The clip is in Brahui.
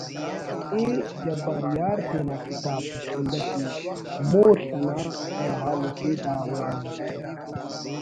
ءِ جبار یار تینا کتاب ''بشخندہ'' ٹی '' مول/“ انا سرحال اٹی دا وڑ نوشتہ